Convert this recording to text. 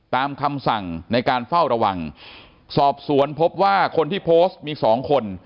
ตามคำสั่งในการเฝ้าระวังสอบสวนพบว่าคนที่โพสต์มีสองคน